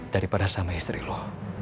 daripada sama istri lo